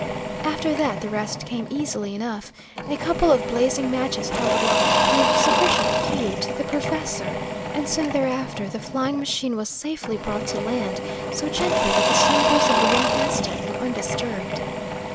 After that the rest came easily enough. A couple of blazing matches held aloft proved sufficient cue to the professor, and soon thereafter the flying machine was safely brought to land, so gently that the slumbers of the young Aztec were undisturbed.